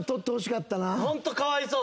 ホントかわいそう。